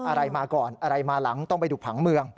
อะไรมาก่อนอะไรมาหลังต้องไปดูผังเมือง